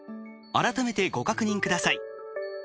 改めてご確認ください。